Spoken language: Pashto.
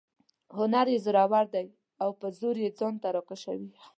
هنر یې زورور دی او په زور مې ځان ته را کشوي.